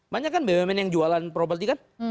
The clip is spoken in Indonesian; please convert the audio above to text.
banyak kan bumn yang jualan properti kan